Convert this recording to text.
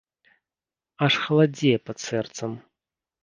Аж халадзее пад сэрцам.